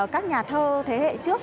các nhà thơ thế hệ trước